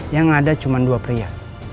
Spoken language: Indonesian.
yang ada cuma dua pria